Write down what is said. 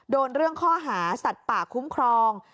โดนเรื่องข้อหาสัตว์ป่าคุ้มครอง